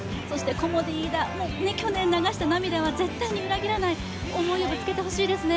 コモディイイダ、去年流した涙は絶対にうらぎらない、思いをぶつけてほしいですね。